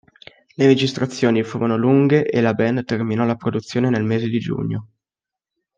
Le registrazioni furono lunghe e la band terminò la produzione nel mese di giugno.